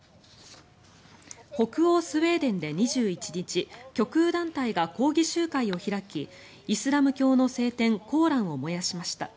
北欧スウェーデンで２１日極右団体が抗議集会を開きイスラム教の聖典コーランを燃やしました。